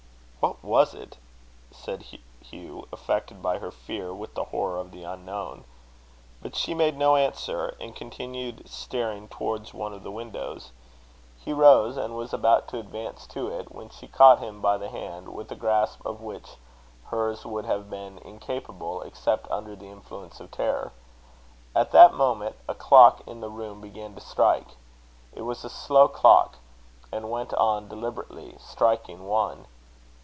"What was it?" said Hugh, affected by her fear with the horror of the unknown. But she made no answer, and continued staring towards one of the windows. He rose and was about to advance to it, when she caught him by the hand with a grasp of which hers would have been incapable except under the influence of terror. At that moment a clock in the room began to strike. It was a slow clock, and went on deliberately, striking one...